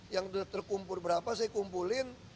yang sudah terkumpul berapa saya kumpulin